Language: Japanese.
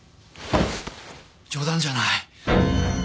冗談じゃない！